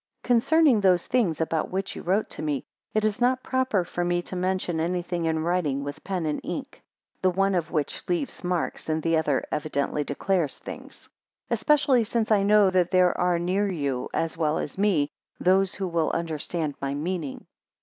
CONCERNING those things, about which ye wrote to me, it is not proper for me to mention anything in writing with pen and ink: the one of which leaves marks, and the other evidently declares things. 2 Especially since I know that there are near you, as well as me, those who will understand my meaning.